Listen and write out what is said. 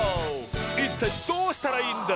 いったいどうしたらいいんだ？